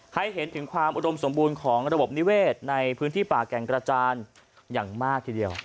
ให้เห็นถึงความอุดมสมบูรณ์ของระบบนิเวศในพื้นที่ป่าแก่งกระจานอย่างมากทีเดียว